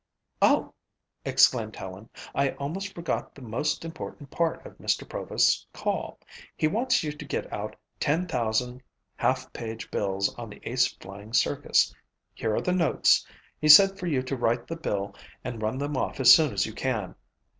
"Oh," exclaimed Helen "I almost forgot the most important part of Mr. Provost's call. He wants you to get out 10,000 half page bills on the Ace Flying Circus. Here are the notes. He said for you to write the bill and run them off as soon as you can."